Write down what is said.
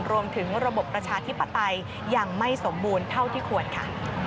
รวมถึงระบบประชาธิปไตยยังไม่สมบูรณ์เท่าที่ควรค่ะ